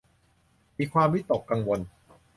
มีความวิตกกังวล